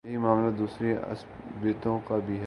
یہی معاملہ دوسری عصبیتوں کا بھی ہے۔